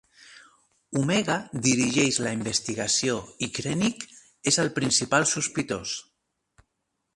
Omega dirigeix la investigació i Krennick és el principal sospitós.